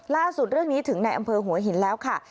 ล่าสุดเรื่องนี้ถึงในอำเภอหัวหินแล้วค่ะ